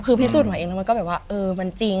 คือพี่สูตรของฉันเองก็แบบว่ามันจริง